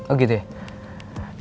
oh gitu ya